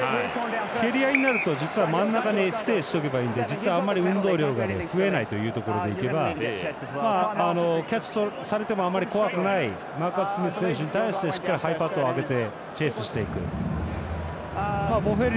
蹴り合いになると、実は真ん中にステイしておけばいいので実はあんまり運動量が増えないというところでいけばキャッチされてもあまり怖くないマーカス・スミス選手に対してしっかりハイパントを上げてチェースしていく。